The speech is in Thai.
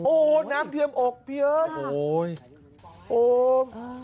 โอ้น้ำเทียมอกพี่เอิ้ม